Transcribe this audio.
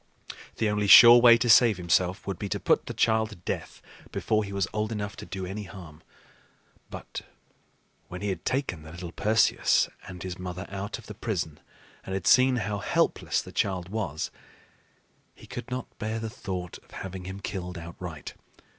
The only sure way to save himself would be to put the child to death before he was old enough to do any harm. But when he had taken the little Perseus and his mother out of the prison and had seen how helpless the child was, he could not bear the thought of having him killed outright.